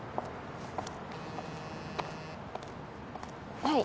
はい。